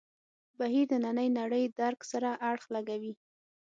بهیر نننۍ نړۍ درک سره اړخ لګوي.